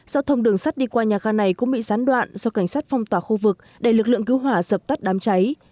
giao thông đường sắt đi qua nhà ga này cũng bị gián đoạn do cảnh sát phong tỏa khu vực để lực lượng cứu hỏa dập tắt đám cháy